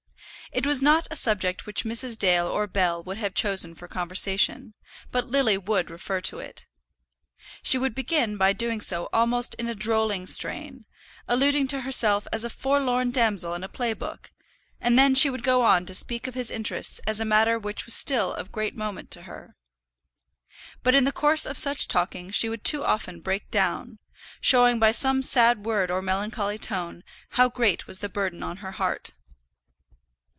It was not a subject which Mrs. Dale or Bell would have chosen for conversation; but Lily would refer to it. She would begin by doing so almost in a drolling strain, alluding to herself as a forlorn damsel in a play book; and then she would go on to speak of his interests as a matter which was still of great moment to her. But in the course of such talking she would too often break down, showing by some sad word or melancholy tone how great was the burden on her heart.